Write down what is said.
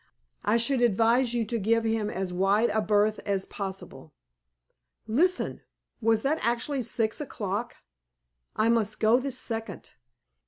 I should advise you to give him as wide a berth as possible. Listen. Was that actually six o'clock? I must go this second.